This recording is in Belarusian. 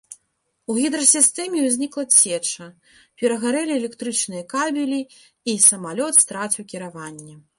У гідрасістэме ўзнікла цеча, перагарэлі электрычныя кабелі і самалёт страціў кіраванне.